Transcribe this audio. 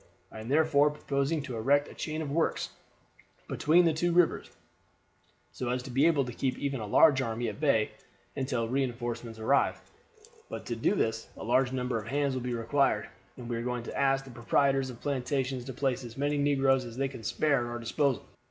I am therefore proposing to erect a chain of works between the two rivers, so as to be able to keep even a large army at bay until reinforcements arrive; but to do this a large number of hands will be required, and we are going to ask the proprietors of plantations to place as many negroes as they can spare at our disposal."